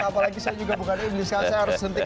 apalagi saya juga bukan iblis